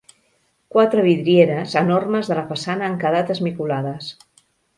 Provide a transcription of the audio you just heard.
Quatre vidrieres enormes de la façana han quedat esmicolades.